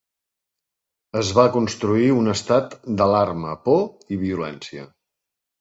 Es va construir un estat d’alarma, por i violència.